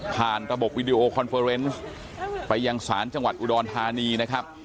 ระบบวิดีโอคอนเฟอร์เนสไปยังศาลจังหวัดอุดรธานีนะครับ